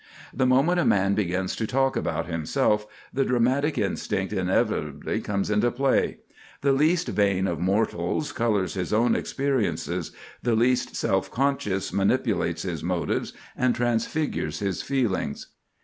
The moment a man begins to talk about himself, the dramatic instinct inevitably comes into play; the least vain of mortals colors his own experiences, the least self conscious manipulates his motives and transfigures his feelings.